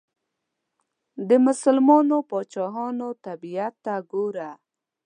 د مسلمانو پاچاهانو طبیعت ته وګورئ.